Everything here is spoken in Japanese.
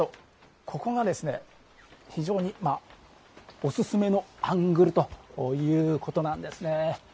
ここが非常にお勧めのアングルということなんですね。